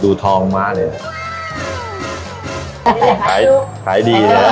ดูทองมาเหลือขายได้เลยคะอุ้ยขายขายดีแล้ว